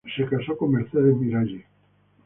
Se casó con "Mercedes Miralles".